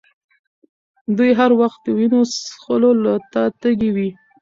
دوی هر وخت وینو څښلو ته تږي وي.